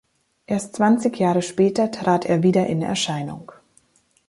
Erst zwanzig Jahre später trat er wieder in Erscheinung.